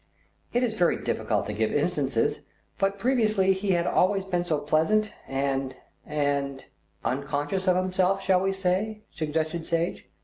"It is very difficult to give instances; but previously he had always been so pleasant and and " "Unconscious of himself, shall we say?" suggested Sage.